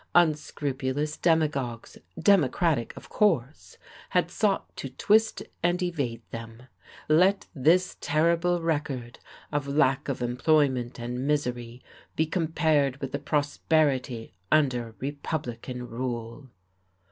Unscrupulous demagogues Democratic, of course had sought to twist and evade them. Let this terrible record of lack of employment and misery be compared with the prosperity under Republican rule.